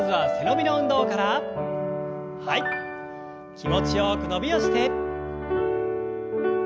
気持ちよく伸びをして。